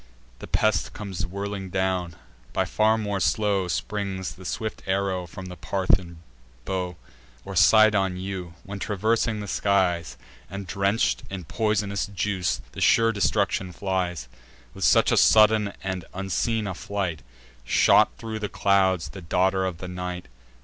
The pest comes whirling down: by far more slow Springs the swift arrow from the Parthian bow, Or Cydon yew, when, traversing the skies, And drench'd in pois'nous juice, the sure destruction flies. With such a sudden and unseen a flight Shot thro' the clouds the daughter of the night.